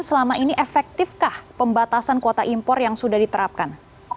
selama ini efektifkah pembatasan kuota impor yang sudah diterapkan